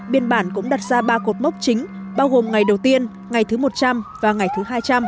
biên bản cũng đặt ra ba cột mốc chính bao gồm ngày đầu tiên ngày thứ một trăm linh và ngày thứ hai trăm linh